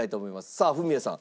さあフミヤさん